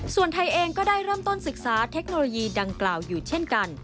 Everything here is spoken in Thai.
ส่วนไทยเองก็ได้เริ่มต้นศึกษาเทคโนโลยีดังกล่าวอยู่เช่นกัน